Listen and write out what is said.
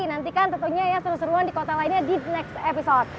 nantikan tentunya ya seru seruan di kota lainnya di next episode